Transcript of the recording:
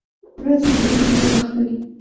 ورځې درې ځله یی واخلئ